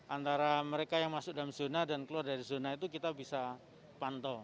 antara mereka yang masuk dalam zona dan keluar dari zona itu kita bisa pantau